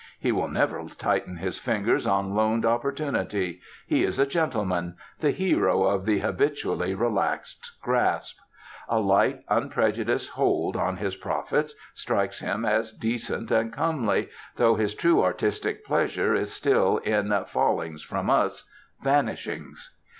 He will never tighten his fingers on loaned opportunity; he is a gentleman, the hero of the habitually relaxed grasp. A light unprejudiced hold on his profits strikes him as decent and comely, though his true artistic pleasure is still in "fallings from us, vanishings."